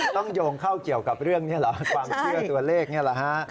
โยงเข้าเกี่ยวกับเรื่องนี้เหรอความเชื่อตัวเลขนี่แหละฮะ